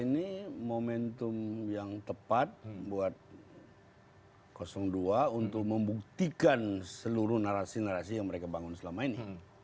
ini momentum yang tepat buat dua untuk membuktikan seluruh narasi narasi yang mereka bangun selama ini